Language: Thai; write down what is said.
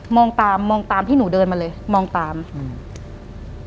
ตามมองตามที่หนูเดินมาเลยมองตามอืม